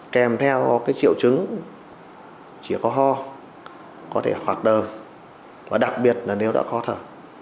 kèm theo triệu chứng chỉ có ho có thể hoạt đờ và đặc biệt là nếu đã khó thở